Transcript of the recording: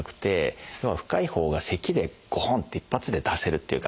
要は深いほうがせきでゴホン！って一発で出せるっていうか。